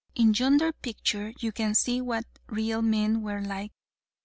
In yonder picture you can see what real men were like.